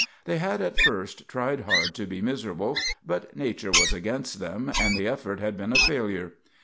They had at first tried hard to be miserable, but nature was against them, and the effort had been a failure.